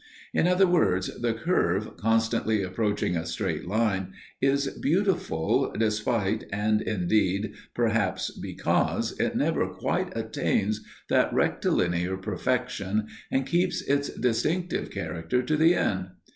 In other words, the curve, constantly approaching a straight line, is beautiful despite, and, indeed, perhaps because it never quite attains that rectilinear perfection and keeps its distinctive character to the end.